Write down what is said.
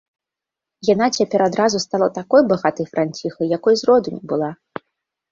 Яна цяпер адразу стала такой багатай франціхай, якой з роду не была.